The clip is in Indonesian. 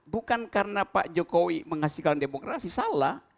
bukan karena pak jokowi menghasilkan demokrasi salah